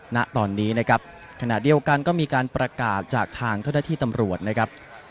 ณตอนนี้นะครับขณะเดียวกันก็มีการประกาศจากทางเจ้าหน้าที่ตำรวจนะครับ